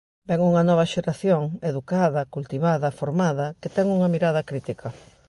Vén unha nova xeración, educada, cultivada, formada, que ten unha mirada crítica.